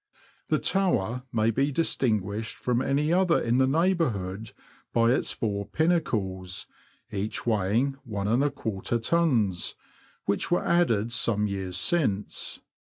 The tower may be distinguished from any other in the neighbourhood by its four pinnacles, each weighing \\ tons, which were added some years since.